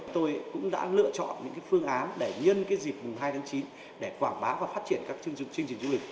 tôi cũng đã lựa chọn những phương án để nhân cái dịp mùa hai tháng chín để quảng bá và phát triển các chương trình du lịch